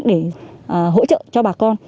để hỗ trợ cho bà con